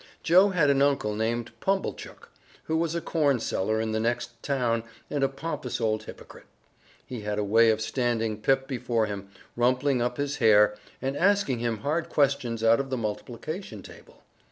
Joe had an uncle named Pumblechook, who was a corn seller in the next town and a pompous old hypocrite. He had a way of standing Pip before him, rumpling up his hair and asking him hard questions out of the multiplication table.